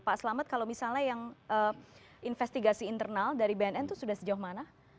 pak selamat kalau misalnya yang investigasi internal dari bnn itu sudah sejauh mana